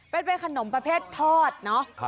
เป็นขนมประเภททอดเนอะ